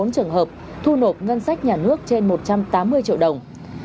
bốn mươi bốn trường hợp thu nộp ngân sách nhà nước trên một trăm tám mươi triệu đồng